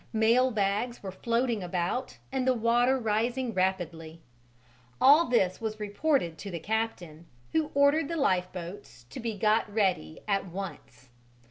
Mail bags were floating about and the water rising rapidly. All this was reported to the captain, who ordered the lifeboats to be got ready at once.